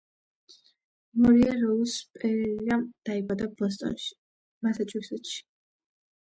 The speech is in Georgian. მორია როუზ პერეირა დაიბადა ბოსტონში, მასაჩუსეტსში.